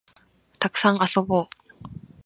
たくさん遊ぼう